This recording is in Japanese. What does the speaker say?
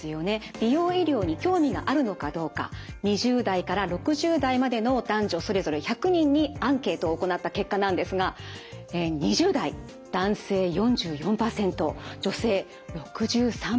美容医療に興味があるのかどうか２０代から６０代までの男女それぞれ１００人にアンケートを行った結果なんですが２０代男性４４％女性６３％と皆さん関心高いですよね。